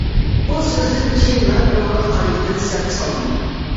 بۇ سۆزدىن كىيىن مەن ئۇنىڭغا قايتىدىن سەپ سالدىم.